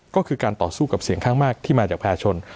ก็คือการต่อสู้กับเสียงข้างมากที่มาจากประชาชน